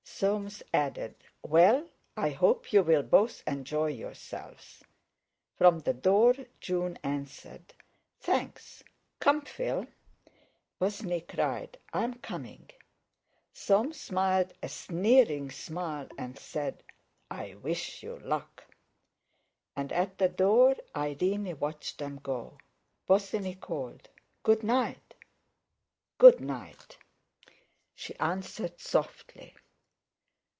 Soames added: "Well, I hope you'll both enjoy yourselves." From the door June answered: "Thanks. Come, Phil." Bosinney cried: "I'm coming." Soames smiled a sneering smile, and said: "I wish you luck!" And at the door Irene watched them go. Bosinney called: "Good night!" "Good night!" she answered softly....